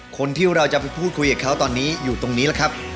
คนที่เราจะไปพูดคุยกับเขาตอนนี้อยู่ตรงนี้แหละครับ